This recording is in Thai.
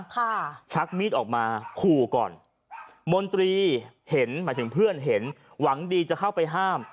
ชักมีดออกมาขู่ก่อนมนตรีเห็นหมายถึงเพื่อนเห็นหวังดีจะเข้าไปห้าม